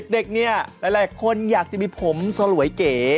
เด็กนี่คนอยากจะมีผมสวยเก๋